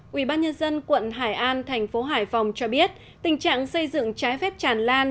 quỹ ban nhân dân quận hải an thành phố hải phòng cho biết tình trạng xây dựng trái phép tràn lan